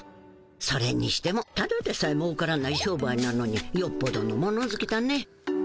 それにしてもただでさえもうからない商売なのによっぽどの物ずきだね。